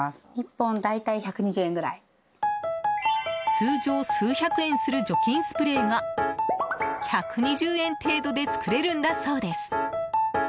通常、数百円する除菌スプレーが１２０円程度で作れるんだそうです。